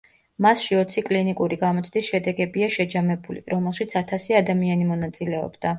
მასში ოცი კლინიკური გამოცდის შედეგებია შეჯამებული, რომელშიც ათასი ადამიანი მონაწილეობდა.